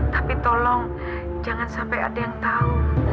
tapi tolong jangan sampai ada yang tahu